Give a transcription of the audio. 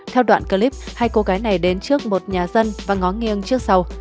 theo đoạn clip hai cô gái này đến trước một nhà dân và ngóng nghiêng trước sau